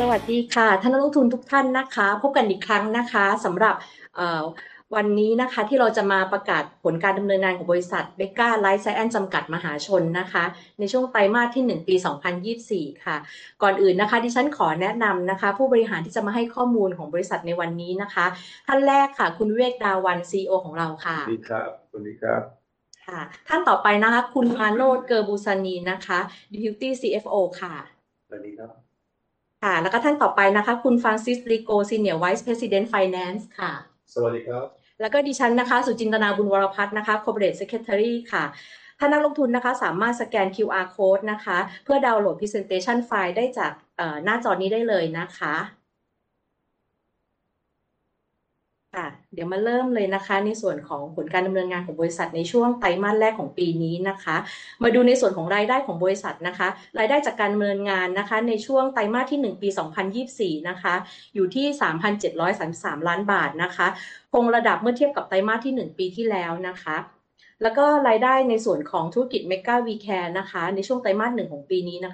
สวัสดีค่ะท่านนักลงทุนทุกท่านนะคะพบกันอีกครั้งนะคะสำหรับวันนี้นะคะที่เราจะมาประกาศผลการดำเนินงานของบริษัท Mega Lifesciences จำกัด(มหาชน)นะคะในช่วงไตรมาสที่หนึ่งปี2024ค่ะก่อนอื่นนะคะดิฉันขอแนะนำนะคะผู้บริหารที่จะมาให้ข้อมูลของบริษัทในวันนี้นะคะท่านแรกค่ะคุณวิเวกดาวัลย์ซีอีโอของเราค่ะสวัสดีครับสวัสดีครับค่ะท่านต่อไปนะคะคุณมาโนชเกอร์บูซานีนะคะ Deputy CFO ค่ะสวัสดีครับค่ะแล้วก็ท่านต่อไปนะคะคุณฟรานซิสริโกซีเนียร์ไวซ์เพรสซิเดนท์ไฟแนนซ์ค่ะสวัสดีครับแล้วก็ดิฉันนะคะสุจินตนาบุญวรพัฒน์นะคะโคเปอเรตเซคเร็ตตารี่ค่ะท่านนักลงทุนนะคะสามารถสแกนคิวอาร์โค้ดนะคะเพื่อดาวน์โหลดพรีเซนเทชั่นไฟล์ได้จากหน้าจอนี้ได้เลยนะคะค่ะมาเริ่มเลยนะคะในส่วนของผลการดำเนินงานของบริษัทในช่วงไตรมาสแรกของปีนี้นะคะมาดูในส่วนของรายได้ของบริษัทนะคะรายได้จากการดำเนินงานนะคะในช่วงไตรมาสที่หนึ่งปี2024นะคะ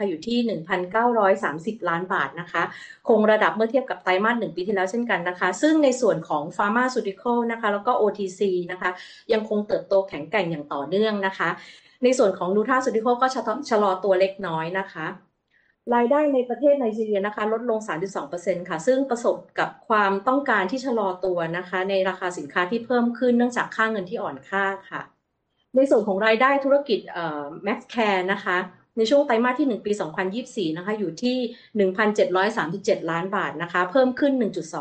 อยู่ที่฿ 3,733 ล้านนะคะคงระดับเมื่อเทียบกับไตรมาสที่หนึ่งปีที่แล้วนะคะรายได้ในส่วนของธุรกิจ Mega V Care นะคะในช่วงไตรมาสหนึ่งของปีนี้นะคะอยู่ที่฿ 1,930 ล้านนะคะคงระดับเมื่อเทียบกับไตรมาสหนึ่งปีที่แล้วเช่นกันนะคะซึ่งในส่วนของ Pharmaceutical นะคะและ OTC นะคะยังคงเติบโตแข็งแกร่งอย่างต่อเนื่องนะคะในส่วนของ Nutraceutical ก็ชะลอตัวเล็กน้อยนะคะรายได้ในประเทศไนจีเรียนะคะลดลง 32% ค่ะซึ่งประสบกับความต้องการที่ชะลอตัวนะคะในราคาสินค้าที่เพิ่มขึ้นเนื่องจากค่าเงินที่อ่อนค่าค่ะในส่วนของรายได้ธุรกิจ Max Care นะคะในช่วงไตรมาสที่หนึ่งปี2024นะคะอยู่ที่฿ 1,737 ล้านนะคะเพิ่มขึ้น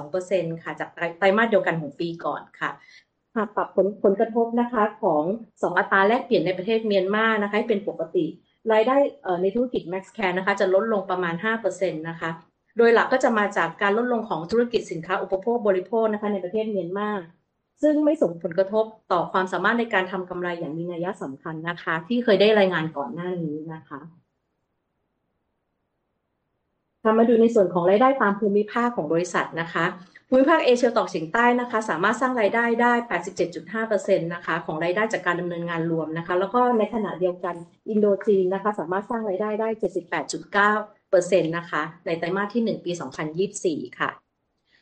1.2% ค่ะจากไตรมาสเดียวกันของปีก่อนค่ะปรับผลกระทบนะคะของสองอัตราแลกเปลี่ยนในประเทศเมียนมาร์นะคะให้เป็นปกติรายได้ในธุรกิจ Max Care นะคะจะลดลงประมาณ 5% นะคะโดยหลักก็จะมาจากการลดลงของธุรกิจสินค้าอุปโภคบริโภคนะคะในประเทศเมียนมาร์ซึ่งไม่ส่งผลกระทบต่อความสามารถในการทำกำไรอย่างมีนัยยะสำคัญนะคะที่เคยได้รายงานก่อนหน้านี้นะคะมาดูในส่วนของ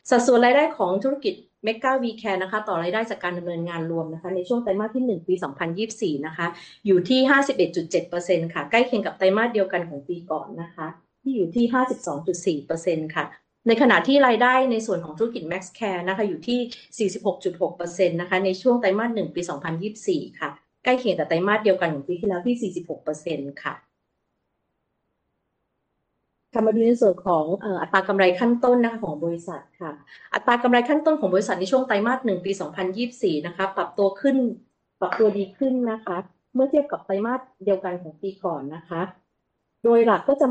รายได้ตามภูมิภาคของบริษัทนะคะภูมิภาคเอเชียตะวันออกเฉียงใต้นะคะสามารถสร้างรายได้ได้ 87.5% นะคะของรายได้จากการดำเนินงานรวมนะคะในขณะเดียวกันอินโดจีนนะคะสามารถสร้างรายได้ได้ 78.9% นะคะในไตรมาสที่หนึ่งปี2024ค่ะสัดส่วนรายได้ของธุรกิจ Mega V Care นะคะต่อรายได้จากการดำเนินงานรวมนะคะในช่วงไตรมาสที่หนึ่งปี2024นะคะอยู่ที่ 51.7% ค่ะใกล้เคียงกับไตรมาสเดียวกันของปีก่อนนะคะที่อยู่ที่ 52.4% ค่ะในขณะที่รายได้ในส่วนของธุรกิจ Max Care นะคะอยู่ที่ 46.6% นะคะในช่วงไตรมาสหนึ่งปี2024ค่ะใกล้เคียงกับไตรมาสเดียวกันของปีที่แล้วที่ 46% ค่ะมาดูในส่วนของอัตรากำไรขั้นต้นนะคะของบริษัทค่ะอัตรากำไรขั้นต้นของบริษัทในช่วงไตรมาสหนึ่งปี2024นะคะปรับตัวดีขึ้นนะคะเมื่อเทียบกับไตรมาสเดียวกันของปีก่อนนะคะโดยหลักก็จ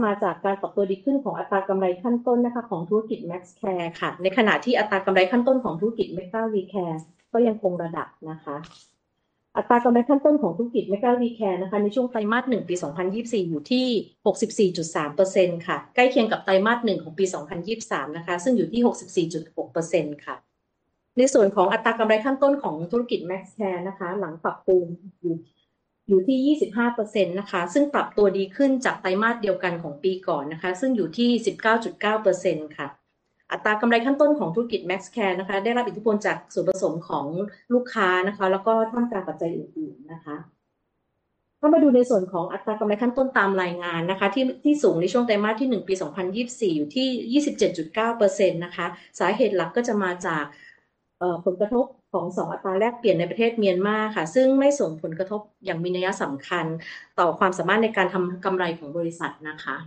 ะมาจากการ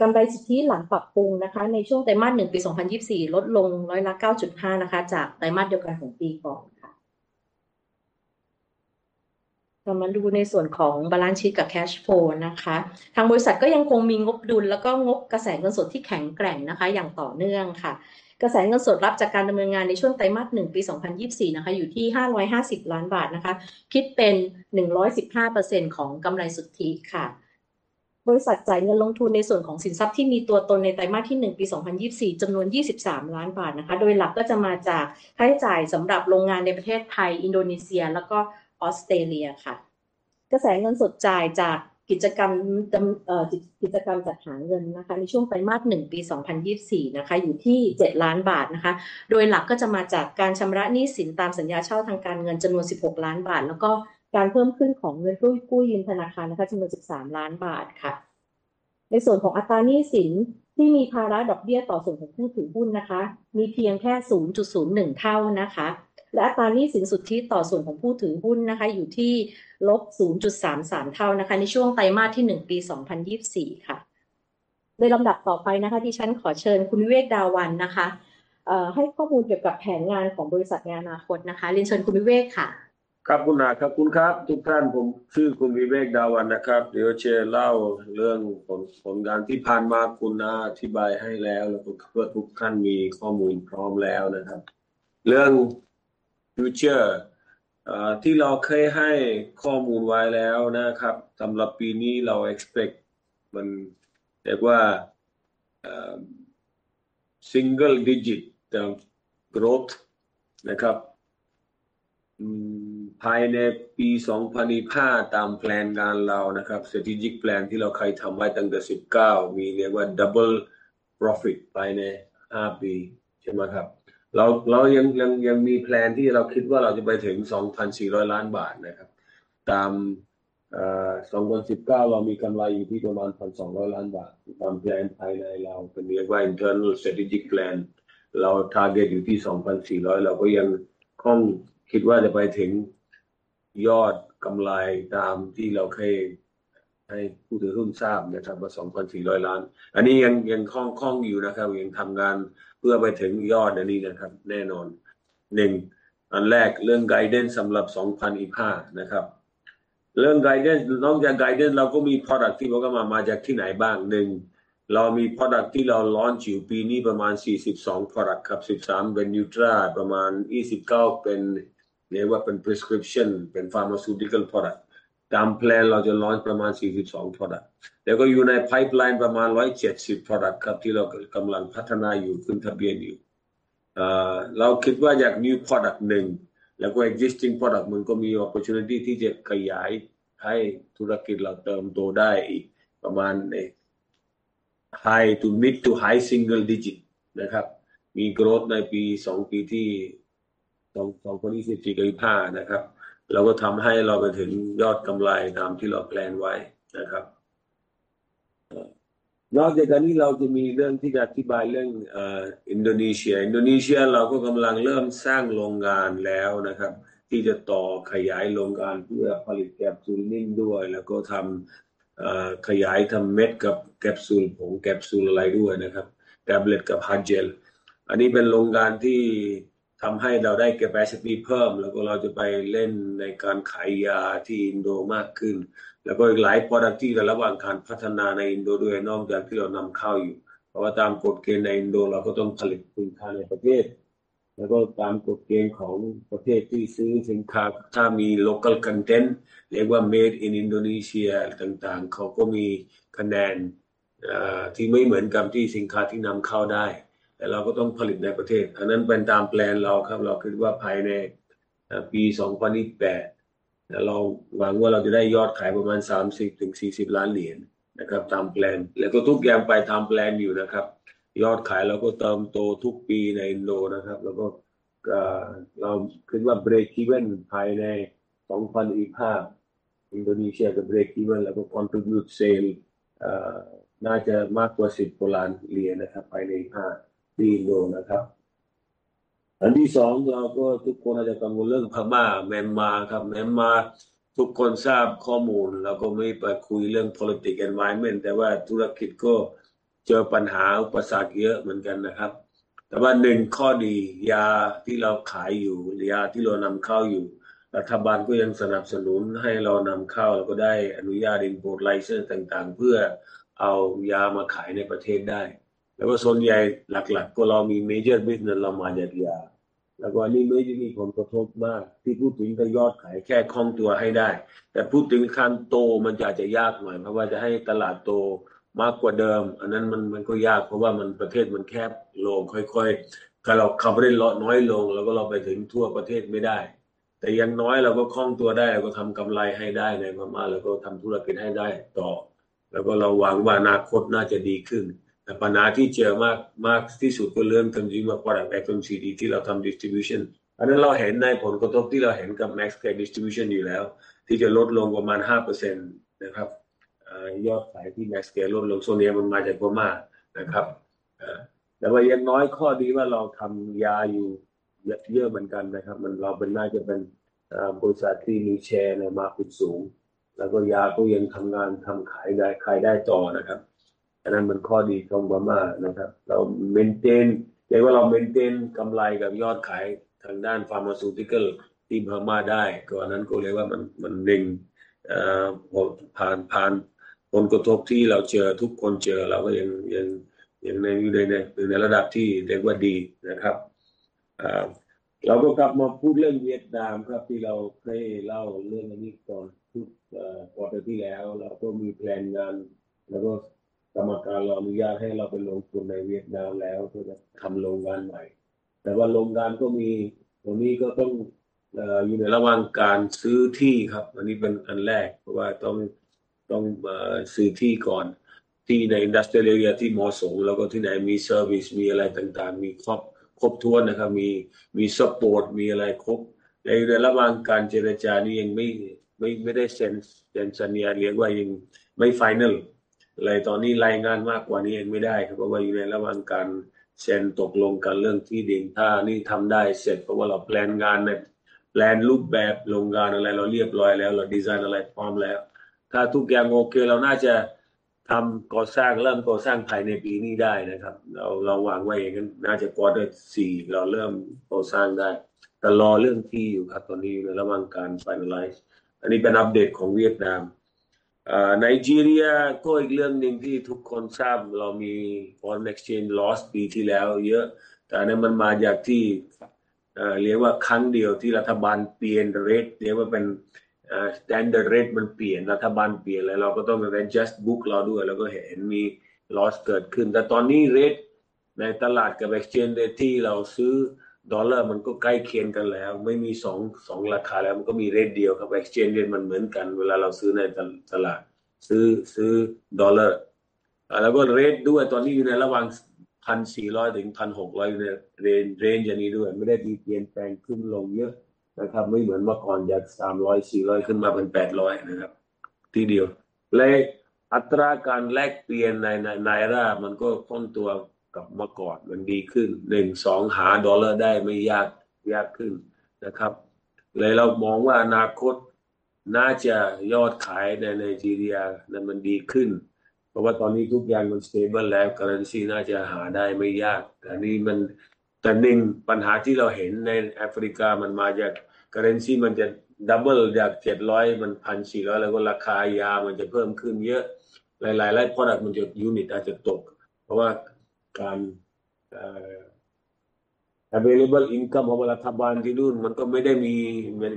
กำไรสุทธิหลังปรับปรุงนะคะในช่วงไตรมาสหนึ่งปี2024ลดลง 9.5% นะคะจากไตรมาสเดียวกันของปีก่อนค่ะมาดูในส่วนของบาลานซ์ชีทกับแคชโฟลว์นะคะทางบริษัทก็ยังคงมีงบดุลและงบกระแสเงินสดที่แข็งแกร่งนะคะอย่างต่อเนื่องค่ะกระแสเงินสดรับจากการดำเนินงานในช่วงไตรมาสหนึ่งปี2024นะคะอยู่ที่฿550ล้านนะคะคิดเป็น 115% ของกำไรสุทธิค่ะบริษัทจ่ายเงินลงทุนในส่วนของสินทรัพย์ที่มีตัวตนในไตรมาสที่หนึ่งปี2024จำนวน฿23ล้านนะคะโดยหลักก็จะมาจากค่าใช้จ่ายสำหรับโรงงานในประเทศไทยอินโดนีเซียและออสเตรเลียค่ะกระแสเงินสดจ่ายจากกิจกรรมจัดหาเงินนะคะในช่วงไตรมาสหนึ่งปี2024นะคะอยู่ที่฿7ล้านนะคะโดยหลักก็จะมาจากการชำระหนี้สินตามสัญญาเช่าทางการเงินจำนวน฿16ล้านและการเพิ่มขึ้นของเงินกู้ยืมธนาคารนะคะจำนวน฿13ล้านค่ะในส่วนของอัตราหนี้สินที่มีภาระดอกเบี้ยต่อส่วนของผู้ถือหุ้นนะคะมีเพียงแค่ 0.01 เท่านะคะและอัตราหนี้สินสุทธิต่อส่วนของผู้ถือหุ้นนะคะอยู่ที่ลบ 0.33 เท่านะคะในช่วงไตรมาสที่หนึ่งปี2024ค่ะในลำดับต่อไปนะคะดิฉันขอเชิญคุณวิเวกดาวัลย์นะคะให้ข้อมูลเกี่ยวกับแผนงานของบริษัทในอนาคตนะคะเรียนเชิญคุณวิเวกค่ะครับคุณอาขอบคุณครับทุกท่านผมชื่อคุณวิเวกดาวัลย์นะครับเดี๋ยวจะเล่าเรื่องผลงานที่ผ่านมาคุณอาอธิบายให้แล้วแล้วก็เพื่อทุกท่านมีข้อมูลพร้อมแล้วนะครับเรื่องฟิวเจอร์ที่เราเคยให้ข้อมูลไว้แล้วนะครับสำหรับปีนี้เราเอ็กซ์เปคมันเรียกว่าซิงเกิลดิจิทอลโกรทนะครับภายในปี2025ตามแพลนงานเรานะครับสตรีทดิคแพลนที่เราเคยทำไว้ตั้งแต่2019มีเรียกว่าดับเบิ้ลโปรฟิตภายในห้าปีใช่มั้ยครับเรายังมีแพลนที่เราคิดว่าเราจะไปถึง฿ 2,400 ล้านนะครับตาม2019เรามีกำไรอยู่ที่ประมาณ฿ 1,200 ล้านตามแพลนภายในเราเป็นเรียกว่าอินเทอร์นอลสตรีทดิคแพลนเราทาร์เก็ตอยู่ที่฿ 2,400 ล้านเราก็ยังคิดว่าจะไปถึงยอดกำไรตามที่เราเคยให้ผู้ถือหุ้นทราบนะครับว่า฿ 2,400 ล้านอันนี้ยังคล่องอยู่นะครับยังทำงานเพื่อไปถึงยอดอันนี้นะครับแน่นอนอันแรกเรื่องไกด์เดนซ์สำหรับ2025นะครับเรื่องไกด์เดนซ์นอกจากไกด์เดนซ์เราก็มีโปรดักต์ที่เรามาจากที่ไหนบ้างเรามีโปรดักต์ที่เราลอนช์ปีนี้ประมาณ42โปรดักต์ครับ13เป็นนิวทราประมาณ29เป็นเรียกว่าเป็น prescription เป็น pharmaceutical product ตามแพลนเราจะลอนช์ประมาณ42โปรดักต์แล้วก็อยู่ในไพป์ไลน์ประมาณ170โปรดักต์ครับที่เรากำลังพัฒนาอยู่ขึ้นทะเบียนอยู่เราคิดว่าจากนิวโปรดักต์แล้วก็ existing product มันก็มี opportunity ที่จะขยายให้ธุรกิจเราเติบโตได้อีกประมาณใน high to mid to high single digit นะครว่า $10 ล้านนะครับภายใน2025ที่อินโดนะครับอันที่สองเราก็ทุกคนอาจจะกังวลเรื่องพม่าเมียนมาร์ครับเมียนมาร์ทุกคนทราบข้อมูลเราก็ไม่ไปคุยเรื่อง politic environment แต่ว่าธุรกิจก็เจอปัญหาอุปสรรคเยอะเหมือนกันนะครับแต่ว่าข้อดียาที่เราขายอยู่ยาที่เรานำเข้าอยู่รัฐบาลก็ยังสนับสนุนให้เรานำเข้าแล้วก็ได้อนุญาต import license ต่างๆเพื่อเอายามาขายในประเทศได้แต่ว่าส่วนใหญ่หลักๆก็เรามี major business เรามาจากยาแล้วก็อันนี้ไม่ได้มีผลกระทบมากที่พูดถึงก็ยอดขายแค่คล่องตัวให้ได้แต่พูดถึงการโตมันจะอาจจะยากหน่อยเพราะว่าจะให้ตลาดโตมากกว่าเดิมอันนั้นมันก็ยากเพราะว่ามันประเทศมันแคบลงถ้าเราเข้าไปเล่นเราน้อยลงแล้วก็เราไปถึงทั่วประเทศไม่ได้แต่อย่างน้อยเราก็คล่องตัวได้เราก็ทำกำไรให้ได้ในพม่าแล้วก็ทำธุรกิจให้ได้ต่อแล้วก็เราหวังว่าอนาคตน่าจะดีขึ้นแต่ปัญหาที่เจอมากที่สุดก็เรื่องทำจริงๆว่า product action CD ที่เราทำ distribution อันนั้นเราเห็นในผลกระทบที่เราเห็นกับ Max Care distribution อยู่แล้วที่จะลดลงประมาณ 5% นะครับยอดขายที่ Max Care ลดลงช่วงนี้มันมาจากพม่านะครับแต่ว่าอย่างน้อยข้อดีว่าเราทำยาอยู่เยอะเหมือนกันนะครับมันเราเป็นน่าจะเป็นบริษัทที่มีแชร์ในมาร์เก็ตสูงแล้วก็ยาก็ยังทำงานทำขายได้ขายได้ต่อนะครับอันนั้นมันข้อดีของพม่านะครับเราเมนเทนเรียกว่าเราเมนเทนกำไรกับยอดขายทางด้าน pharmaceutical ที่พม่าได้ก็อันนั้นก็เรียกว่ามันดึงผ่านผลกระทบที่เราเจอทุกคนเจอเราก็ยังอยู่ในระดับที่เรียกว่าดีนะครับเราก็กลับมาพูดเรื่องเวียดนามครับที่เราเคยเล่าเรื่องอันนี้ก่อนพูดก่อนเดือนที่แล้วเราก็มีแพลนงานแล้วก็กรรมการเราอนุญาตให้เราไปลงทุนในเวียดนามแล้วเพื่อจะทำโรงงานใหม่แต่ว่าโรงงานก็มีตรงนี้ก็ต้องอยู่ในระหว่างการซื้อที่ครับอันนี้เป็นอันแรกเพราะว่าต้ดอลลาร์มันก็ใกล้เคียงกันแล้วไม่มีสองราคาแล้วมันก็มีเรทเดียวครับ exchange rate มันเหมือนกันเวลาเราซื้อในตลาดซื้อดอลลาร์แล้วก็เรทด้วยตอนนี้อยู่ในระหว่าง 1,400 ถึง 1,600 อยู่ในเรนจ์อันนี้ด้วยไม่ได้มีเปลี่ยนแปลงขึ้นลงเยอะนะครับไม่เหมือนเมื่อก่อนจาก 300-400 ขึ้นมาเป็น800นะครับทีเดียวและอัตราการแลกเปลี่ยนในไนจีเรียมันก็คล่องตัวกับเมื่อก่อนมันดีขึ้นหาดอลลาร์ได้ไม่ยากขึ้นนะครับเลยเรามองว่าอนาคตน่าจะยอดขายในไนจีเรียนั้นมันดีขึ้นเพราะว่าตอนนี้ทุกอย่างมัน stable แล้ว currency น่าจะหาได้ไม่ยากแต่ปัญหาที่เราเห็นในแอฟริกามันมาจาก currency มันจะดับเบิ้ลจาก700มัน 1,400 แล้วก็ราคายามันจะเพิ่มขึ้นเยอะหลายๆไลฟ์โปรดักต์มันจะยูนิตอาจจะตกเพราะว่าการ available income ของรัฐบาลที่นู่นมันก็ไม่ได้มี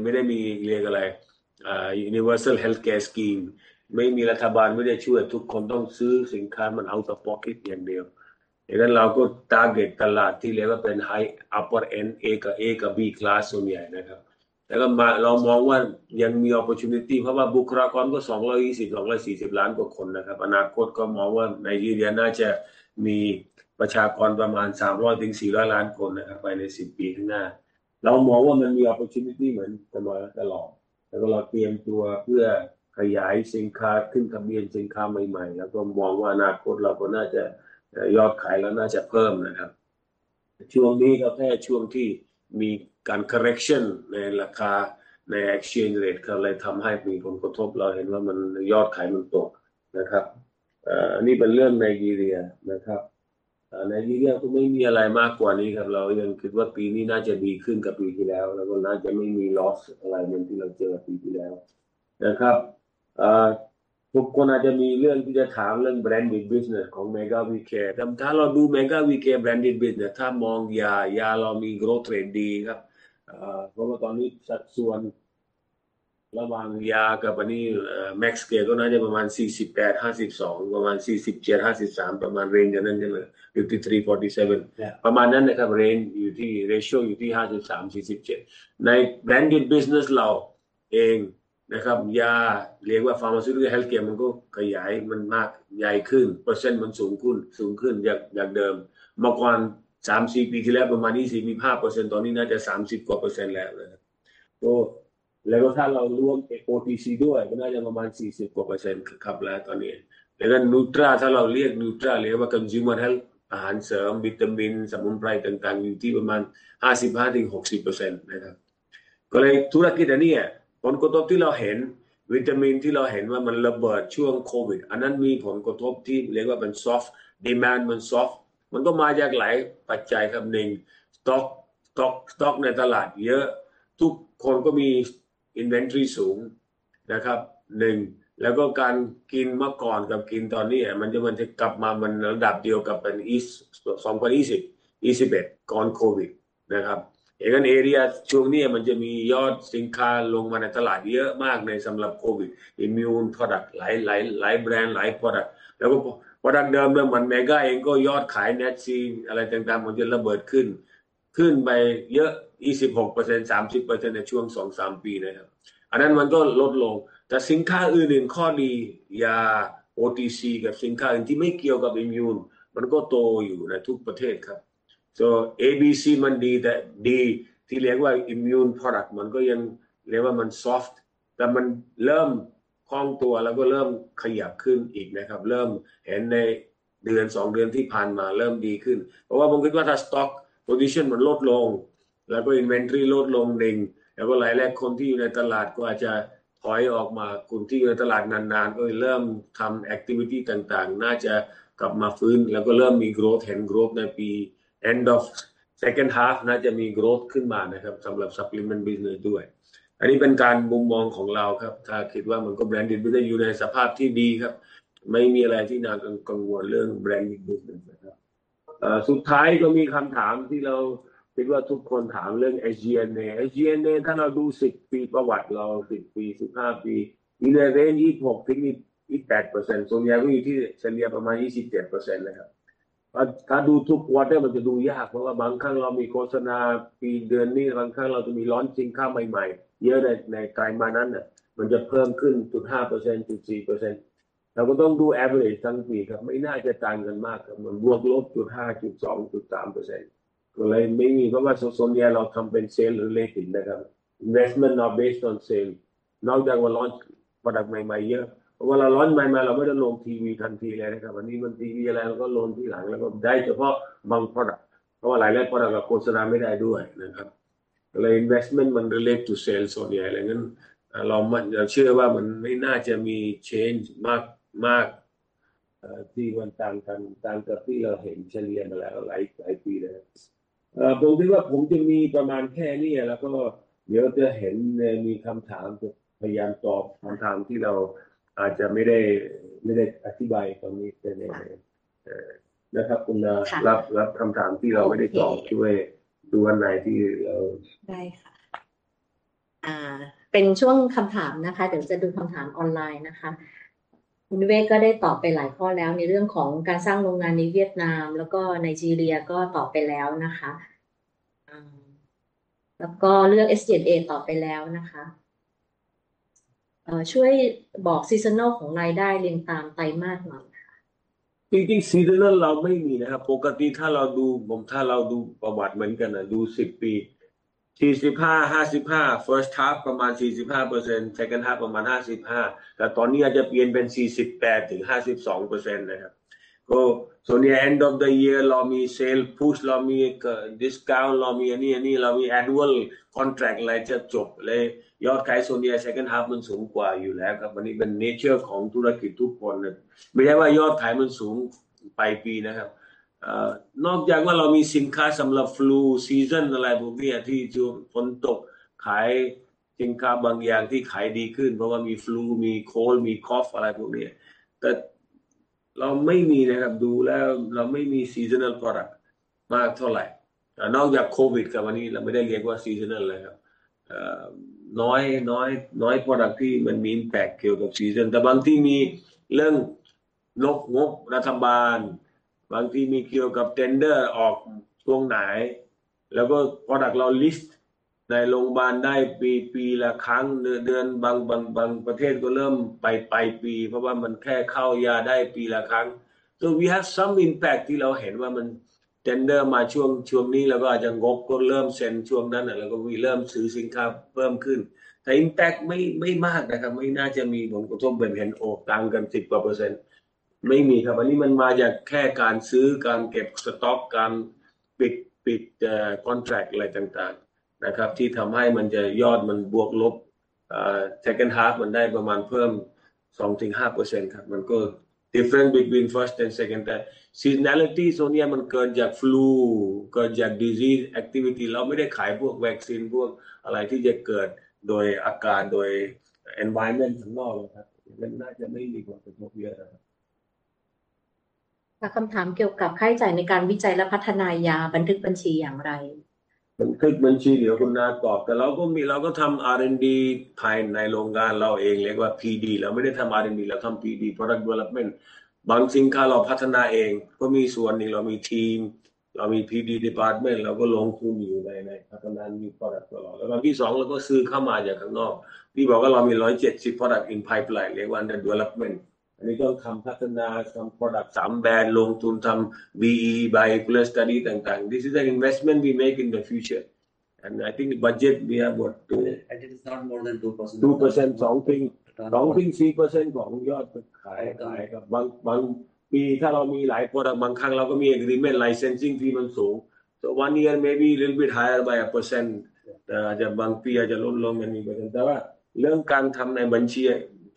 ไม่ได้มีเรียกอะไร universal health care scheme ไม่มีรัฐบาลไม่ได้ช่วยทุกคนต้องซื้อสินค้ามัน out of pocket อย่างเดียวดังนั้นเราก็ target ตลาดที่เรียกว่าเป็น high upper end A กับ A กับ B class ส่วนใหญ่นะครับแล้วก็มาเรามองว่ายังมี opportunity เพราะว่าบุคลากรก็ 220-240 ล้านกว่าคนนะครับอนาคตก็มองว่าไนจีเรียน่าจะมีประชากรประมาณ300ถึง400ล้านคนนะครับภายในสิบปีข้างหน้าเรามองว่ามันมี opportunity เหมือนตลอดแล้วก็เราเตรียมตัวเพื่อขยายสินค้าขึ้นทะเบียนสินค้าใหม่ๆแล้วก็มองว่าอนาคตเราก็น่าจะยอดขายเราน่าจะเพิ่มนะครับช่วงนี้ก็แค่ช่วงที่มีการ correction ในราคาใน exchange rate ครับเลยทำให้มีผลกระทบเราเห็นว่ามันยอดขายมันตกนะครับอันนี้เป็นเรื่องไนจีเรียนะครับไนจีเรียก็ไม่มีอะไรมากกว่านี้ครับเรายังคิดว่าปีนี้น่าจะดีขึ้นกับปีที่แล้วแล้วก็น่าจะไม่มี loss อะไรเหมือนที่เราเจอกับปีที่แล้วนะครับทุกคนอาจจะมีเรื่องที่จะถามเรื่อง branded business ของ Mega V Care แต่ถ้าเราดู Mega V Care branded business ถ้ามองยายาเรามี growth rate ดีครับเพราะว่าตอนนี้สัดส่วนระหว่างยากับอันนี้ Max Care ก็น่าจะประมาณ 48-52 ประมาณ 47-53 ประมาณเรนจ์อันนั้นใช่มั้ยครับ 53-47 ประมาณนั้นนะครับเรนจ์อยู่ที่ ratio อยู่ที่ 53-47 ใน branded business เราเองนะครับยาเรียกว่า pharmaceutical health care มันก็ขยายมันมากใหญ่ขึ้นเปอร์เซ็นต์มันสูงขึ้นสูงขึ้นจากเดิมเมื่อก่อนสามสี่ปีที่แล้วประมาณ 25% ตอนนี้น่าจะ 30% กว่าแล้วนะครับแล้วก็ถ้าเรารวมเอโอทีซีด้วยก็น่าจะประมาณ 40% กว่าครับแล้วตอนนี้แล้วก็นิวทราถ้าเราเรียกนิวทราเรียกว่า consumer health อาหารเสริมวิตามินสมุนไพรต่างๆอยู่ที่ประมาณ55ถึง 60% นะครับก็เลยธุรกิจอันนี้ผลกระทบที่เราเห็นวิตามินที่เราเห็นว่ามันระเบิดช่วงโควิดอันนั้นมีผลกระทบที่เรียกว่าเป็น soft demand มัน soft มันก็มาจากหลายปัจจัยครับสต็อกในตลาดเยอะทุกคนก็มี inventory สูงนะครับแล้วก็การกินเมื่อก่อนกับกินตอนนี้มันจะกลับมามันระดับเดียวกับเป็น 2020-2021 ก่อนโควิดนะครับอย่างงั้น area ช่วงนี้มันจะมียอดสินค้าลงมาในตลาดเยอะมากในสำหรับโควิด immune product หลายแบรนด์หลาย product แล้วก็ product เดิมเหมือน Mega เองก็ยอดขาย nat seed อะไรต่างๆมันจะระเบิดขึ้นไปเยอะ 26% 30% ในช่วงสองสามปีนะครับอันนั้นมันก็ลดลงแต่สินค้าอื่นๆข้อดียาโอทีซีกับสินค้าอื่นที่ไม่เกี่ยวกับ immune มันก็โตอยู่ในทุกประเทศครับ So ABC มันดีแต่ดีที่เรียกว่า immune product มันก็ยังเรียกว่ามัน soft แต่มันเริ่มคล่องตัวแล้วก็เริ่มขยับขึ้นอีกนะครับเริ่มเห็นในเดือนสองเดือนที่ผ่านมาเริ่มดีขึ้นเพราะว่าผมคิดว่าถ้าสต็อก position มันลดลงแล้วก็ inventory ลดลงแล้วก็หลายๆคนที่อยู่ในตลาดก็อาจจะถอยออกมาคนที่อยู่ในตลาดนานๆก็เริ่มทำ activity ต่างๆน่าจะกลับมาฟื้นแล้วก็เริ่มมี growth เห็น growth ในปี end of second half น่าจะมี growth ขึ้นมานะครับสำหรับ supplement business ด้วยอันนี้เป็นการมุมมองของเราครับถ้าคิดว่ามันก็ branded business อยู่ในสภาพที่ดีครับไม่มีอะไรที่น่ากังวลเรื่อง branded business นะครับสุดท้ายก็มีคำถามที่เราคิดว่าทุกคนถามเรื่อง SG&A SG&A ถ้าเราดูสิบปีประวัติเราสิบปีสิบห้าปีอยู่ในเรนจ์26ถึง 28% ส่วนใหญ่ก็อยู่ที่เฉลี่ยประมาณ 27% นะครับถ้าดูทุก quarter มันจะดูยากเพราะว่าบางครั้งเรามีโฆษณาปีเดือนนี้บางครั้งเราจะมี launch สินค้าใหม่ๆเยอะในไตรมาสนั้นมันจะเพิ่มขึ้น 0.5% 0.4% เราก็ต้องดู average ทั้งปีครับไม่น่าจะต่างกันมากครับเหมือนบวกลบ 0.5% 0.2% 0.3% ก็เลยไม่มีเพราะว่าส่วนใหญ่เราทำเป็น sale related นะครับ investment not based on sale นอกจากว่า launch product ใหม่ๆเยอะเพราะว่าเรา launch ใหม่ๆเราไม่ได้ลงทีวีทันทีเลยนะครับอันนี้มันทีวีอะไรเราก็ลงทีหลังแล้วก็ได้เฉพาะบาง product เพราะว่าหลายๆ product เราโฆษณาไม่ได้ด้วยนะครับก็เลย investment มัน relate to sale ส่วนใหญ่อย่างงั้นเรามั่นใจเชื่อว่ามันไม่น่าจะมี change มากที่มันต่างกันต่างกับที่เราเห็นเฉลี่ยมาแล้วหลายปีแล้วผมคิดว่าผมจะมีประมาณแค่นี้แล้วก็เดี๋ยวจะเห็นในมีคำถามจะพยายามตอบคำถามที่เราอาจจะไม่ได้อธิบายตรงนี้แต่ในนะครับคุณนาค่ะรับคำถามที่เราไม่ได้ตอบช่วยดูอันไหนที่เราได้ค่ะเป็นช่วงคำถามนะคะเดี๋ยวจะดูคำถามออนไลน์นะคะคุณเวชก็ได้ตอบไปหลายข้อแล้วในเรื่องของการสร้างโรงงานในเวียดนามแล้วก็ไนจีเรียก็ตอบไปแล้วนะคะแล้วก็เรื่อง SG&A ตอบไปแล้วนะคะช่วยบอก seasonal ของรายได้เรียงตามไตรมาสหน่อยค่ะจริงๆ seasonal เราไม่มีนะครับปกติถ้าเราดูถ้าเราดูประวัติเหมือนกันดูสิบปี 45-55 first half ประมาณ 45% second half ประมาณ 55% แต่ตอนนี้อาจจะเปลี่ยนเป็น48ถึง 52% นะครับก็ส่วนใหญ่ end of the year เรามี sale push เรามี discount เรามีอันนี้เรามี annual contract อะไรจะจบและยอดขายส่วนใหญ่ second half มันสูงกว่าอยู่แล้วครับอันนี้เป็น nature ของธุรกิจทุกคนไม่ใช่ว่ายอดขายมันสูงปลายปีนะครับนอกจากว่าเรามีสินค้าสำหรับฟลูซีซั่นอะไรพวกนี้ที่ช่วงฝนตกขายสินค้าบางอย่างที่ขายดีขึ้นเพราะว่ามีฟลูมีโค้ลมีคอฟอะไรพวกนี้แต่เราไม่มีนะครับดูแล้วเราไม่มี seasonal product มากเท่าไหร่นอกจากโควิดครับวันนี้เราไม่ได้เรียกว่า seasonal เลยครับน้อย product ที่มันมี impact เกี่ยวกับ season แต่บางทีมีเรื่องงบรัฐบาลบางทีมีเกี่ยวกับ tender ออกช่วงไหนแล้วก็ product เรา list ในโรงบาลได้ปีละครั้งบางประเทศก็เริ่มไปปลายปีเพราะว่ามันแค่เข้ายาได้ปีละครั้ง So we have some impact ที่เราเห็นว่ามัน tender มาช่วงนี้แล้วก็อาจจะงบก็เริ่มเซ็นช่วงนั้นแล้วก็มีเริ่มซื้อสินค้าเพิ่มขึ้นแต่ impact ไม่มากนะครับไม่น่าจะมีผลกระทบแบบเห็นอกตังค์กันสิบกว่าเปอร์เซ็นต์ไม่มีครับอันนี้มันมาจากแค่การซื้อการเก็บสต็อกการปิด contract อะไรต่างๆนะครับที่ทำให้มันจะยอดมันบวกลบ second half มันได้ประมาณเพิ่มสองถึงห้าเปอร์เซ็นต์ครับมันก็ different between first and second แต่ seasonality ส่วนใหญ่มันเกิดจากฟลูเกิดจาก disease activity เราไม่ได้ขายพวก vaccine พวกอะไรที่จะเกิดโดยอากาศโดย environment ข้างนอกครับมันน่าจะไม่มีผลกระทบเยอะนะครับค่ะคำถามเกี่ยวกับค่าใช้จ่ายในการวิจัยและพัฒนายาบันทึกบัญชีอย่างไรบันทึกบัญชีเดี๋ยวคุณนาตอบแต่เราก็มีเราก็ทำ R&D ภายในโรงงานเราเองเรียกว่า PD เราไม่ได้ทำ R&D เราทำ PD product development บางสินค้าเราพัฒนาเองก็มีส่วนหนึ่งเรามีทีมเรามี PD department เราก็ลงทุนอยู่ในพัฒนานี้ product ตลอดแล้วครั้งที่สองเราก็ซื้อเข้ามาจากข้างนอกพี่บอกว่าเรามี170 product in pipeline เรียกว่า under development อันนี้ต้องทำพัฒนาทำ product สามแบรนด์ลงทุนทำ BE by study ต่างๆ This is an investment we make in the future And I think the budget we have what And it is not more than 2% 2% สอง 2-4% ของยอดขายครับบางปีถ้าเรามีหลาย product บางครั้งเราก็มี agreement licensing fee มันสูง So one year maybe a little bit higher by a percent แต่อาจจะบางปีอาจจะลดลงเป็น 1% แต่ว่าเรื่องการทำในบัญชี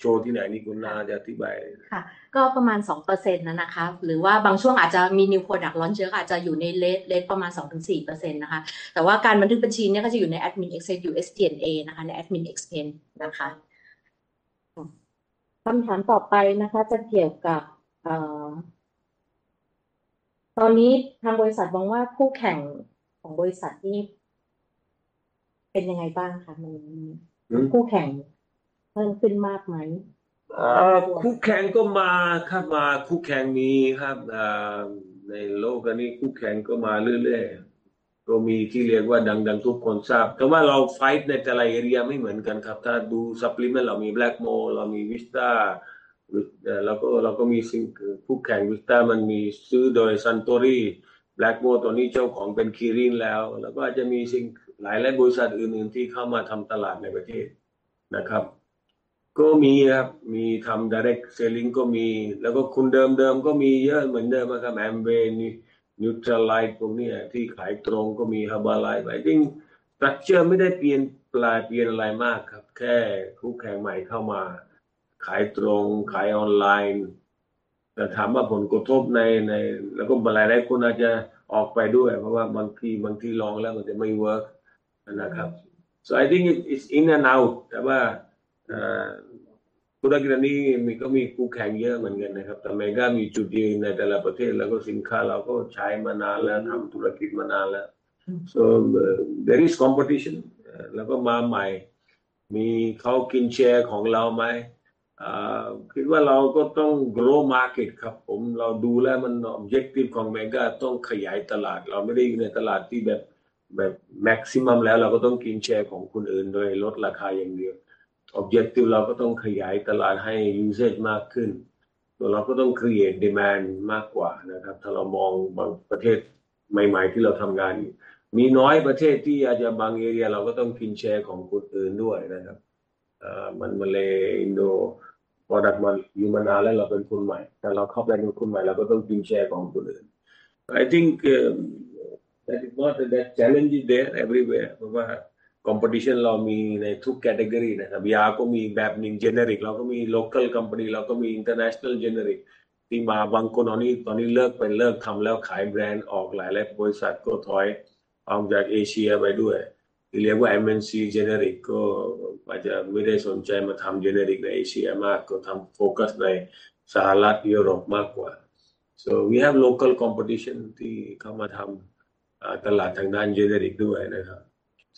โชว์ที่ไหนนี่คุณนาอาจจะอธิบายค่ะก็ประมาณ 2% นะคะหรือว่าบางช่วงอาจจะมี new product launch เยอะก็อาจจะอยู่ในเรสประมาณ2ถึง 4% นะคะแต่ว่าการบันทึกบัญชีก็จะอยู่ใน admin access อยู่ SG&A นะคะใน admin expense นะคะคำถามต่อไปนะคะจะเกี่ยวกับตอนนี้ทางบริษัทมองว่าคู่แข่งของบริษัทเป็นยังไงบ้างคะวันนี้คู่แข่งเพิ่มขึ้นมากมั้ยคู่แข่งก็มาครับมาคู่แข่งมีครับในโลกอันนี้คู่แข่งก็มาเรื่อยๆก็มีที่เรียกว่าดังๆทุกคนทราบแต่ว่าเราไฟท์ในแต่ละเอเรียไม่เหมือนกันครับถ้าดู supplement เรามี Blackmore เรามี Vista หรือแล้วก็เราก็มีสิ่งคู่แข่ง Vista มันมีซื้อโดย Suntory Blackmore ตอนนี้เจ้าของเป็น Kirin แล้วแล้วก็อาจจะมีสิ่งหลายๆบริษัทอื่นๆที่เข้ามาทำตลาดในประเทศนะครับก็มีครับมีทำ direct selling ก็มีแล้วก็คุณเดิมๆก็มีเยอะเหมือนเดิมครับ Amway นี่ Neutralite พวกนี้ที่ขายตรงก็มี Habarai I think structure ไม่ได้เปลี่ยนแปรเปลี่ยนอะไรมากครับแค่คู่แข่งใหม่เข้ามาขายตรงขายออนไลน์แต่ถามว่าผลกระทบในแล้วก็หลายๆคนอาจจะออกไปด้วยเพราะว่าบางทีลองแล้วมันจะไม่เวิร์กนั่นนะครับ So I think it's in and out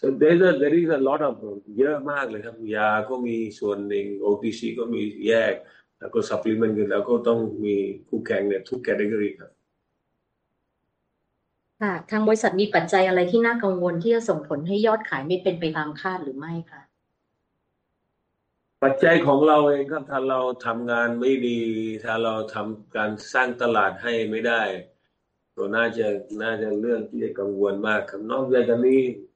แ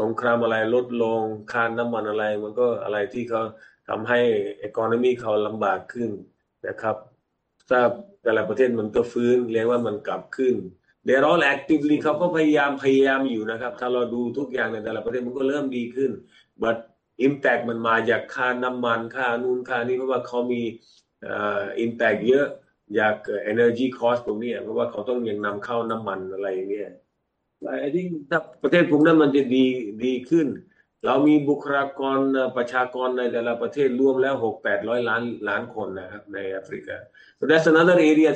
ึ้นสงครามอะไรลดลงค่าน้ำมันอะไรมันก็อะไรที่เขาทำให้ economy เขาลำบากขึ้นนะครับถ้าแต่ละประเทศมันก็ฟื้นเรียกว่ามันกลับขึ้น They are all actively เขาก็พยายามอยู่นะครับถ้าเราดูทุกอย่างในแต่ละประเทศมันก็เริ่มดีขึ้น But impact มันมาจากค่าน้ำมันค่านู่นค่านี่เพราะว่าเขามี impact เยอะจาก energy cost พวกนี้เพราะว่าเขาต้องยังนำเข้าน้ำมันอะไรอย่างนี้ But I think ถ้าประเทศพวกนั้นมันจะดีขึ้นเรามีบุคลากรประชากรในแต่ละประเทศรวมแล้ว 600-800 ล้านคนนะครับในแอฟริกา So that's another area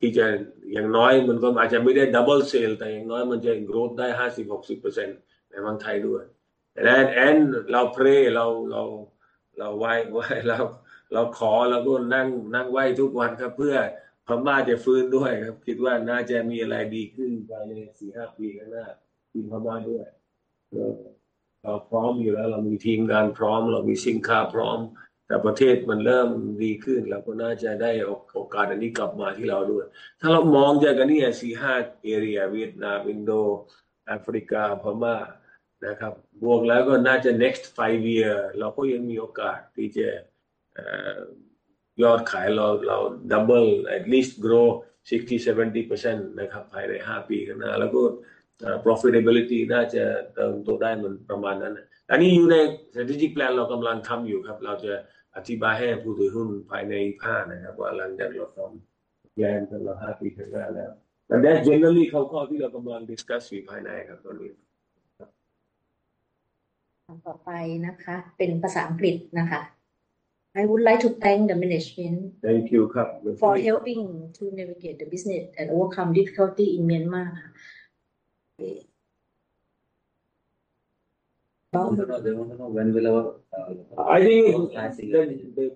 ที่เรามองห้าปีข้างหน้ามันน่าจะสร้าง growth ให้เราได้ $30-40 ล้าน So เวียดนามอินโด East Africa ถ้าถามว่าเมืองไทยหมดแล้วหรือยังไม่น่าจะใช่ครับบางไทยก็ยังมี opportunity ที่เราขยายตามแปลนเราเราก็มี growth plan ในไทยแลนด์ด้วยนะครับที่จะอย่างน้อยมันก็อาจจะไม่ได้ double sale แต่อย่างน้อยมันจะ growth ได้ 50-60% ในเมืองไทยด้วย And เราก็นั่งไหว้ทุกวันครับเพื่อพม่าจะฟื้นด้วยครับคิดว่าน่าจะมีอะไรดีขึ้นภายในสี่ห้าปีข้างหน้าอินพม่าด้วยเราพร้อมอยู่แล้วเรามีทีมงานพร้อมเรามีสินค้าพร้อมแต่ประเทศมันเริ่มดีขึ้นเราก็น่าจะได้โอกาสอันนี้กลับมาที่เราด้วยถ้าเรามองจากอันนี้สี่ห้าเอเรียเวียดนามอินโดแอฟริกาพม่านะครับบวกแล้วก็น่าจะ next five year เราก็ยังมีโอกาสที่จะยอดขายเรา double at least grow 60-70% นะครับภายในห้าปีข้างหน้าแล้วก็ profitability น่าจะเติมตัวได้มันประมาณนั้นอันนี้อยู่ใน strategic plan เรากำลังทำอยู่ครับเราจะอธิบายให้ผู้ถือหุ้นภายใน2025นะครับว่าหลังจากเราทำแปลนสักห้าปีข้างหน้าแล้ว But that generally คร่าวๆที่เรากำลัง discuss อยู่ภายในครับตอนนี้คำต่อไปนะคะเป็นภาษาอังกฤษนะคะ I would like to thank the management. Thank you ครับ for helping to navigate the business and overcome difficulty in Myanmar. I think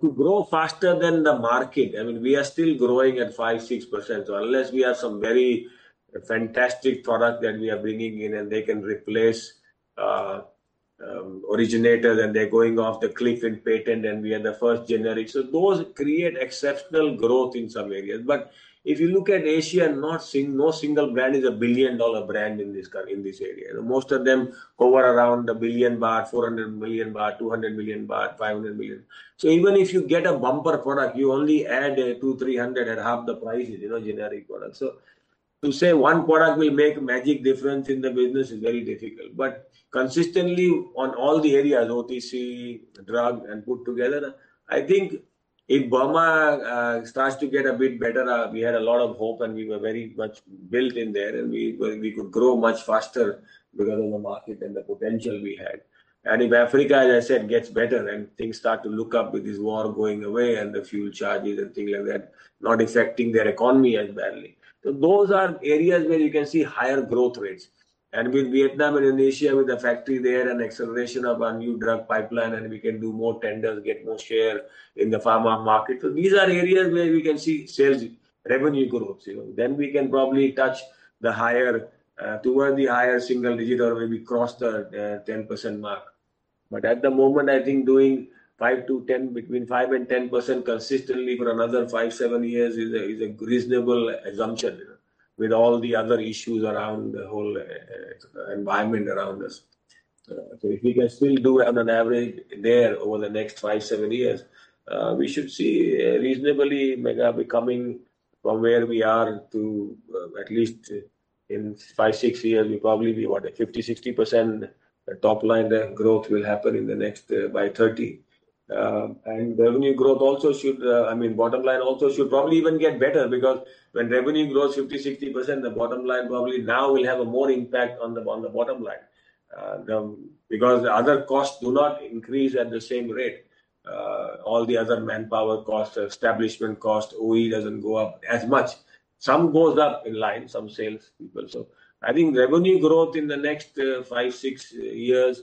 to grow faster than the market, I mean we are still growing at 5-6%, so unless we have some very fantastic product that we are bringing in and they can replace originator and they are going off the cliff in patent and we are the first generic, so those create exceptional growth in some areas. But if you look at Asia, not seeing no single brand is a billion dollar brand in this area. Most of them cover around ฿1 billion, ฿400 million, ฿200 million, ฿500 million. So even if you get a bumper product, you only add ฿ 200-300 million and half the price is, you know, generic product. To say one product will make a magic difference in the business is very difficult. But consistently on all the areas, OTC, drug, and put together, I think if Burma starts to get a bit better, we had a lot of hope and we were very much built in there and we could grow much faster because of the market and the potential we had. And if Africa, as I said, gets better and things start to look up with this war going away and the fuel charges and things like that, not affecting their economy as badly. Those are areas where you can see higher growth rates. And with Vietnam and Indonesia with the factory there and acceleration of our new drug pipeline and we can do more tenders, get more share in the pharma market. These are areas where we can see sales revenue growth, you know. Then we can probably touch the higher, toward the higher single digit or maybe cross the 10% mark. But at the moment, I think doing 5% to 10%, between 5% and 10% consistently for another five, seven years is a reasonable assumption, you know, with all the other issues around the whole environment around us. If we can still do on an average there over the next five, seven years, we should see reasonably Mega becoming from where we are to, at least in five, six years, we probably be what, a 50%, 60% top line growth will happen in the next by 2030. Revenue growth also should, I mean bottom line also should probably even get better because when revenue grows 50%, 60%, the bottom line probably now will have more impact on the bottom line because the other costs do not increase at the same rate. All the other manpower costs, establishment costs, OE doesn't go up as much. Some goes up in line, some salespeople. So I think revenue growth in the next five, six years,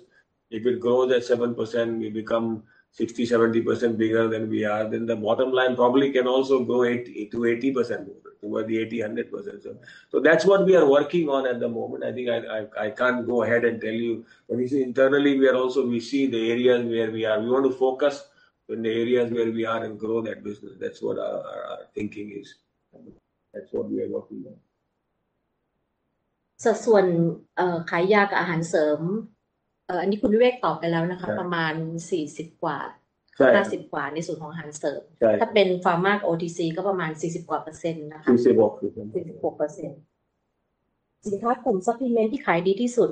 if it grows at 70%, we become 60%, 70% bigger than we are, then the bottom line probably can also grow 80% to 80%, toward the 80%, 100%. So that's what we are working on at the moment. I think I can't go ahead and tell you, but internally we are also, we see the areas where we are. We want to focus in the areas where we are and grow that business. That's what our thinking is. That's what we are working on. สัดส่วนขายยากับอาหารเสริมอันนี้คุณวิเวกตอบไปแล้วนะคะประมาณสี่สิบกว่าใช่ห้าสิบกว่าในส่วนของอาหารเสริมใช่ถ้าเป็นฟาร์ม่ากับโอทีซีก็ประมาณสี่สิบกว่า%นะคะสี่สิบหกสี่สิบหก%สินค้ากลุ่มซัพพลีเมนต์ที่ขายดีที่สุด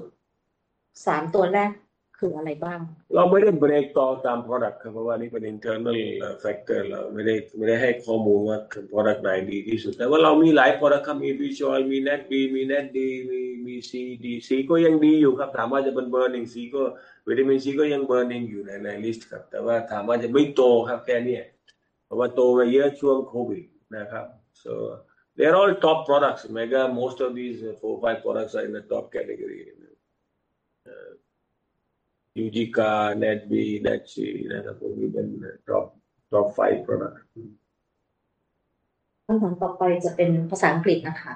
สามตัวแรกคืออะไรบ้างเราไม่ได้เบรกตาม product ครับเพราะว่าอันนี้เป็น internal factor เราไม่ได้ให้ข้อมูลว่า product ไหนดีที่สุดแต่ว่าเรามีหลาย product ครับมี B12 มี NADB มี NAD มี C D C ก็ยังดีอยู่ครับถามว่าจะเบิร์นอย่าง C ก็วิตามิน C ก็ยังเบิร์นเองอยู่ในลิสต์ครับแต่ว่าถามว่าจะไม่โตครับแค่นี้เพราะว่าโตมาเยอะช่วงโควิดนะครับ So they are all top products. Most of these four, five products are in the top category. ยูจิกา NADB NADC นะครับ will be the top, top five products. คำถามต่อไปจะเป็นภาษาอังกฤษนะคะ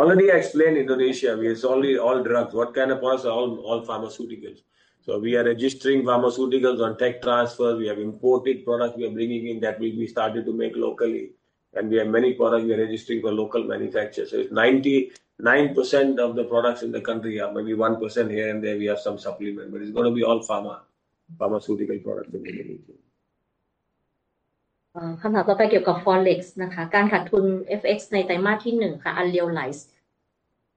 Already I explained Indonesia. We are solely all drugs. What kind of products are all pharmaceuticals? So we are registering pharmaceuticals on tech transfer. We have imported products we are bringing in that will be started to make locally. We have many products we are registering for local manufacturers. So it's 90%, 99% of the products in the country are maybe 1% here and there we have some supplement, but it's going to be all pharma, pharmaceutical products in Indonesia. เอ่อคำถามต่อไปเกี่ยวกับ Forex นะคะการขาดทุน FX ในไตรมาสที่หนึ่งค่ะ Unrealized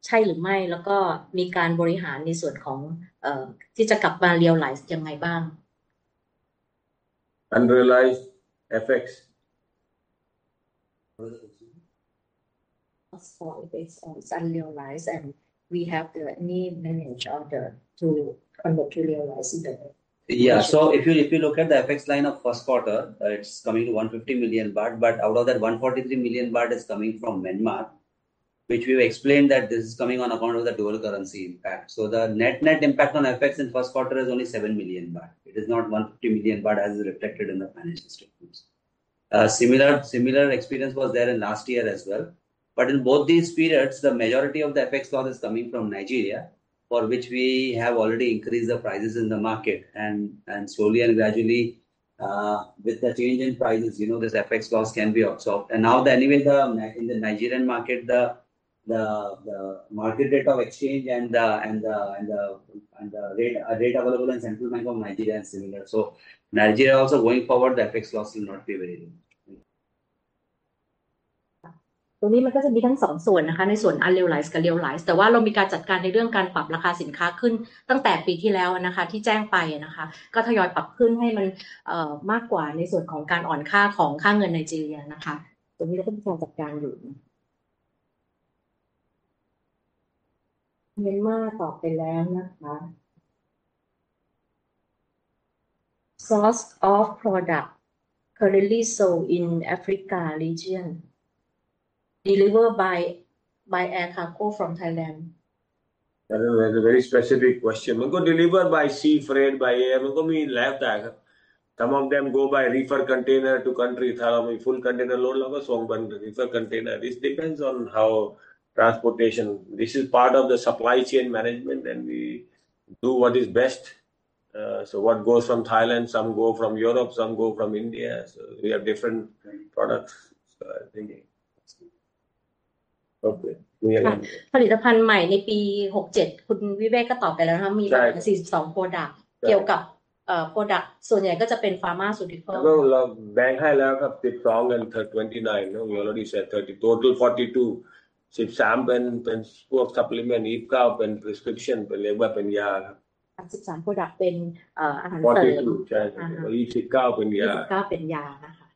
ใช่หรือไม่แล้วก็มีการบริหารในส่วนของเอ่อที่จะกลับมา realize ยังไงบ้าง Unrealized FX? Fosfor is based on unrealized and we have the need manage all the to convert to realize in the. Yeah, so if you look at the FX line of fosfor, it's coming to ฿150 million, but out of that ฿143 million is coming from Myanmar, which we have explained that this is coming on account of the dual currency impact. So the net, net impact on FX in fosfor is only ฿7 million. It is not ฿150 million as reflected in the financial statements. Similar experience was there in last year as well. But in both these periods, the majority of the FX loss is coming from Nigeria, for which we have already increased the prices in the market and slowly and gradually, with the change in prices, this FX loss can be absorbed. Now the, anyway, in the Nigerian market, the market rate of exchange and the rate available in Central Bank of Nigeria is similar. So Nigeria also going forward, the FX loss will not be very low. ตรงนี้มันก็จะมีทั้งสองส่วนนะคะในส่วน unrealized กับ realized แต่ว่าเรามีการจัดการในเรื่องการปรับราคาสินค้าขึ้นตั้งแต่ปีที่แล้วนะคะที่แจ้งไปนะคะก็ทยอยปรับขึ้นให้มันมากกว่าในส่วนของการอ่อนค่าของค่าเงินไนจีเรียนะคะตรงนี้เราก็มีการจัดการอยู่เมียนมาร์ตอบไปแล้วนะคะ Source of product currently sold in Africa region delivered by air cargo from Thailand? That's a very specific question. มันก็ delivered by sea freight by air มันก็มีหลายแบบครับ Some of them go by reefer container to country. ถ้าเรามี full container load เราก็ส่งเป็น reefer container. This depends on how transportation. This is part of the supply chain management, and we do what is best. What goes from Thailand, some go from Europe, some go from India. We have different products. ค่ะผลิตภัณฑ์ใหม่ในปี67คุณวิเวกก็ตอบไปแล้วนะคะมีประมาณ42 products เกี่ยวกับ product ส่วนใหญ่ก็จะเป็น pharmaceuticals แล้วเราแบ่งให้แล้วครับ12 and 29นะ We already said 30. Total 42. 13เป็นพวก supplement 29เป็น prescription เป็นเรียกว่าเป็นยาครับ13 products เป็นอาหารเสริมใช่ครับ29เป็นยา29เป็นยานะคะในส่วนของ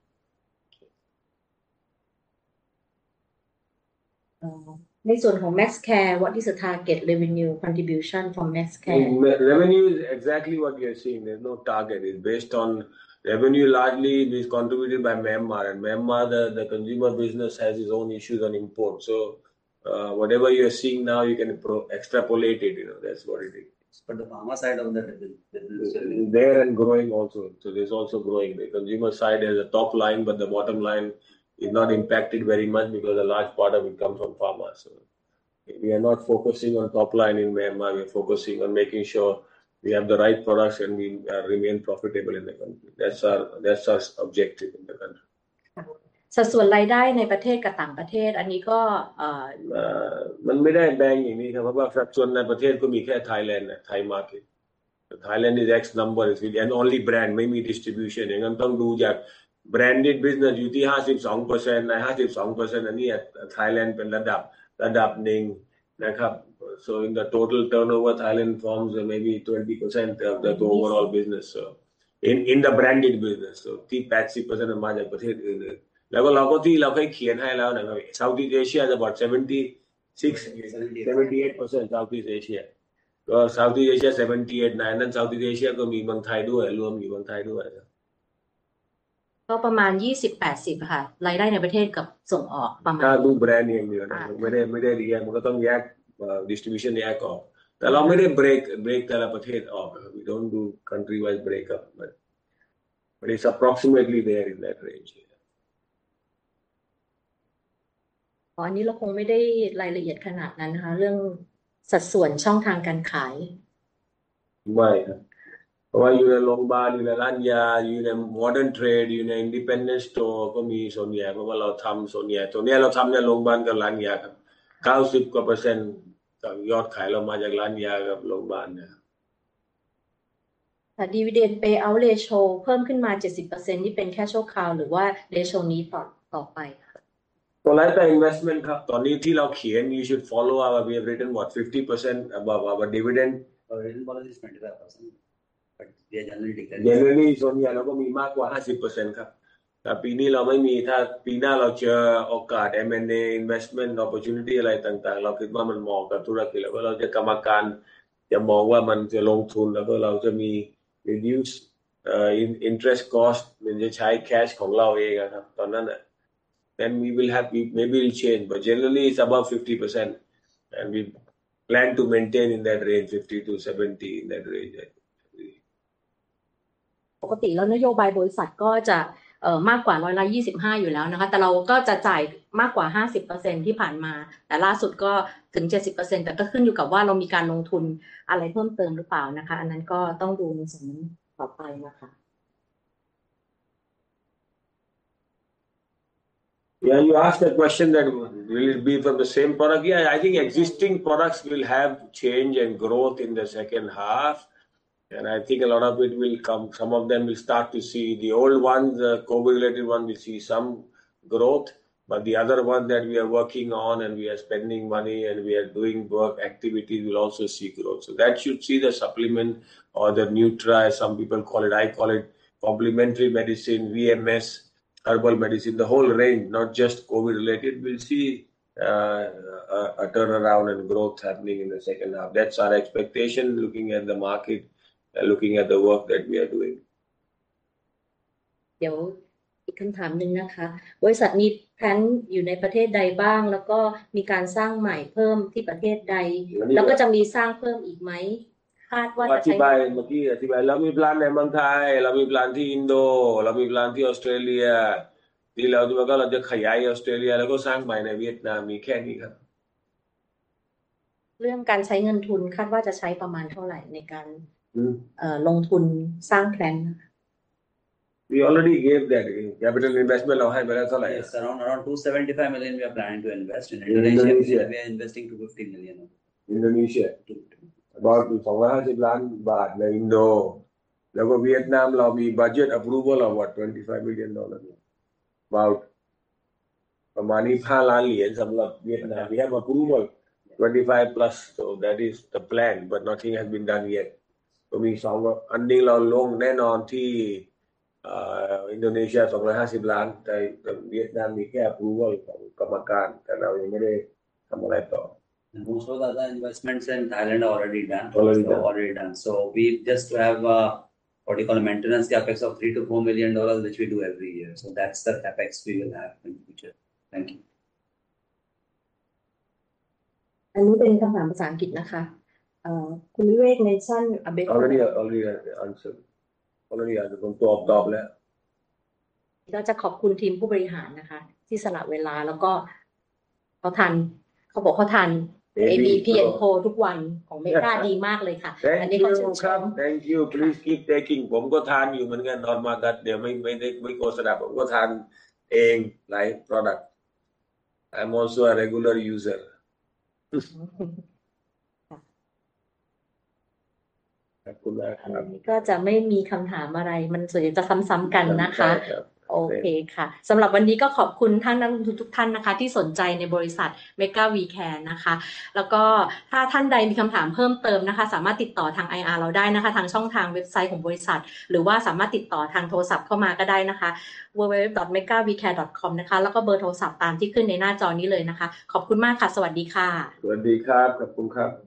Max Care What is the target revenue contribution from Max Care? Revenue is exactly what you are seeing. There's no target. It's based on revenue largely contributed by Myanmar, and Myanmar, the consumer business has its own issues on import. Whatever you are seeing now, you can extrapolate it, you know. That's what it is. But the pharma side of that is there and growing also. The consumer side has a top line, but the bottom line is not impacted very much because a large part of it comes from pharma. We are not focusing on top line in Myanmar. We are focusing on making sure we have the right products and we remain profitable in the country. That's our objective in the country. ค่ะสัดส่วนรายได้ในประเทศกับต่างประเทศอันนี้ก็มันไม่ได้แบ่งอย่างนี้ครับเพราะว่าสัดส่วนในประเทศก็มีแค่ไทยแลนด์น่ะไทย market Thailand is X number and only brand. ไม่มี distribution อย่างงั้นต้องดูจาก branded business อยู่ที่ 52% อันนี้ Thailand เป็นระดับหนึ่งนะครับ In the total turnover, Thailand forms maybe 20% of the overall business. In the branded business 48% มาจากประเทศอื่นๆแล้วก็เราก็ที่เราเคยเขียนให้แล้วนะครับ South East Asia is about 76%, 78%. South East Asia ก็ South East Asia 78%, 79%. แล้ว South East Asia ก็มีเมืองไทยด้วยอลูอัมมีเมืองไทยด้วยครับก็ประมาณ 28% อะคะรายได้ในประเทศกับส่งออกประมาณถ้าดูแบรนด์อย่างเดียวไม่ได้ไม่ได้แยกมันก็ต้องแยก distribution แยกออกแต่เราไม่ได้ break แต่ละประเทศออก We don't do country-wise break up, but it's approximately there in that range. อันนี้เราคงไม่ได้รายละเอียดขนาดนั้นนะคะเรื่องสัดส่วนช่องทางการขายไม่ครับเพราะว่าอยู่ในโรงพยาบาลอยู่ในร้านยาอยู่ใน modern trade อยู่ใน independent store ก็มีส่วนใหญ่เพราะว่าเราทำส่วนใหญ่ส่วนนี้เราทำในโรงพยาบาลกับร้านยาครับ 90% กว่ากับยอดขายเรามาจากร้านยาครับโรงพยาบาลนะครับค่ะ Dividend payout ratio เพิ่มขึ้นมา 70% นี่เป็นแค่ชั่วคราวหรือว่า ratio นี้ต่อไปค่ะ So investment ครับตอนนี้ที่เราเขียน You should follow up. We have written what? 50% above our dividend? Written policy is 25%. But they are generally different. Generally ส่วนใหญ่เราก็มีมากกว่า 50% ครับแต่ปีนี้เราไม่มีถ้าปีหน้าเราเจอโอกาส M&A investment opportunity อะไรต่างๆเราคิดว่ามันเหมาะกับธุรกิจแล้วก็เราจะกรรมการจะมองว่ามันจะลงทุนแล้วก็เราจะมี reduce interest cost มันจะใช้ cash ของเราเองอะครับตอนนั้น Then we will have maybe we'll change, but generally it's above 50%. And we plan to maintain in that range, 50% to 70% in that range. ปกติแล้วนโยบายบริษัทก็จะมากกว่า 25% อยู่แล้วนะคะแต่เราก็จะจ่ายมากกว่า 50% ที่ผ่านมาแต่ล่าสุดก็ถึง 70% แต่ก็ขึ้นอยู่กับว่าเรามีการลงทุนอะไรเพิ่มเติมหรือเปล่านะคะอันนั้นก็ต้องดูในส่วนนั้นต่อไปนะคะ Yeah, you asked a question that will it be from the same product? Yeah, I think existing products will have change and growth in the second half. I think a lot of it will come; some of them will start to see the old ones, the COVID-related ones, will see some growth. But the other ones that we are working on and we are spending money and we are doing work activities will also see growth. So that should see the supplement or the new try, some people call it, I call it complementary medicine, VMS, herbal medicine, the whole range, not just COVID-related. We'll see a turnaround and growth happening in the second half. That's our expectation looking at the market, looking at the work that we are doing. เดี๋ยวอีกคำถามหนึ่งนะคะบริษัทมีแผนอยู่ในประเทศใดบ้างแล้วก็มีการสร้างใหม่เพิ่มที่ประเทศใดแล้วก็จะมีสร้างเพิ่มอีกไหมคาดว่าจะใช้อธิบายเมื่อกี้อธิบายเรามี plan ในเมืองไทยเรามี plan ที่อินโดเรามี plan ที่ออสเตรเลียที่เราจะแล้วก็เราจะขยายออสเตรเลียแล้วก็สร้างใหม่ในเวียดนามมีแค่นี้ครับเรื่องการใช้เงินทุนคาดว่าจะใช้ประมาณเท่าไหร่ในการลงทุนสร้าง plan นะคะ We already gave that capital. Investment เราให้ไปแล้วเท่าไหร่ Yes, around $275 million we are planning to invest in Indonesia. We are investing $50 million อินโดนีเซีย About สองร้อยห้าสิบล้านบาทในอินโดแล้วก็เวียดนามเรามี budget approval of what? $25 million ประมาณนี้ประมาณนี้สำหรับเวียดนาม We have approval $25 million plus. So that is the plan, but nothing has been done yet. ก็มีสองอันนี้เราลงแน่นอนที่อินโดนีเซียสองร้อยห้าสิบล้านแต่เวียดนามมีแค่ approval ของกรรมการแต่เรายังไม่ได้ทำอะไรต่อ Most of the investments in Thailand are already done. Already done. So we just have maintenance capex of $3 to $4 million, which we do every year. So that's the capex we will have in the future. Thank you. อันนี้เป็นคำถามภาษาอังกฤษนะคะคุณวิเวกในชั่น Already answered. ตอบแล้วก็จะขอบคุณทีมผู้บริหารนะคะที่สละเวลาแล้วก็เขาทันเขาบอกเขาทาน ABPN Pro ทุกวันของ Mega ดีมากเลยค่ะอันนี้เขาชื่นชม Thank you, please keep taking. ผมก็ทานอยู่เหมือนกัน Normal gut. ผมก็ทานเองหลาย product. I'm also a regular user. ค่ะขอบคุณมากครับอันนี้ก็จะไม่มีคำถามอะไรมันส่วนใหญ่จะซ้ำๆกันนะคะโอเคค่ะสำหรับวันนี้ก็ขอบคุณท่านนักลงทุนทุกท่านนะคะที่สนใจในบริษัท Mega V Care นะคะแล้วก็ถ้าท่านใดมีคำถามเพิ่มเติมนะคะสามารถติดต่อทางไออาร์เราได้นะคะทางช่องทางเว็บไซต์ของบริษัทหรือว่าสามารถติดต่อทางโทรศัพท์เข้ามาก็ได้นะคะ www.megavcare.com นะคะแล้วก็เบอร์โทรศัพท